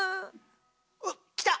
うっ来た！